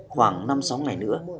khoảng năm sáu ngày nữa